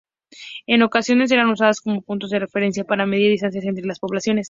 En ocasiones era usadas como puntos de referencia para medir distancias entre las poblaciones.